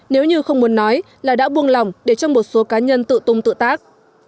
nếu như không muốn nói là đã buông lòng để cho một số cá nhân tự tung tự tác